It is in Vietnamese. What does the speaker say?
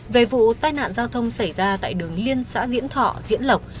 về vụ tai nạn giao thông xảy ra tại đường liên xã diễn thọ diễn lộc